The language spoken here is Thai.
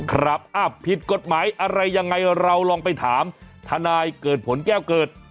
ครับผิดกฎหมายอะไรยังไงเราลองไปถามทนายเกิดผลแก้วเกิด